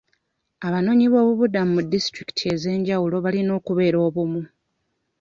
Abanoonyi b'obubuddamu mu disitulikiti ez'enjawulo balina okubeera obumu..